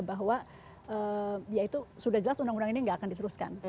bahwa ya itu sudah jelas undang undang ini nggak akan diteruskan